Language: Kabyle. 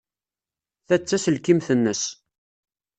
Ta d taselkimt-nnes.